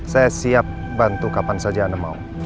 saya siap bantu kapan saja anda mau